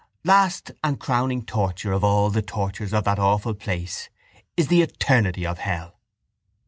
—Last and crowning torture of all the tortures of that awful place is the eternity of hell.